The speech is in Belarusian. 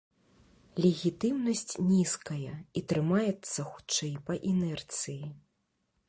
Легітымнасць нізкая, і трымаецца хутчэй па інерцыі.